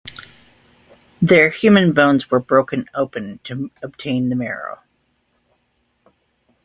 There human bones were broken open to obtain the marrow.